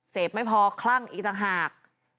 ไม่พอคลั่งอีกต่างหาก